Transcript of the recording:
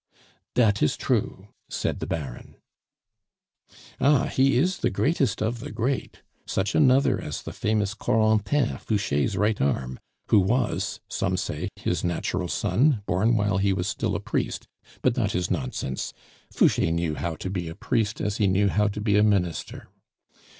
"Dat is true," said the Baron. "Ah, he is the greatest of the great! such another as the famous Corentin, Fouche's right arm, who was, some say, his natural son, born while he was still a priest; but that is nonsense. Fouche knew how to be a priest as he knew how to be a Minister.